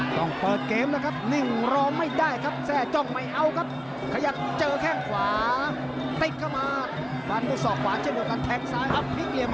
ตั้งไหวตั้งแรกตั้งไหวตั้งตี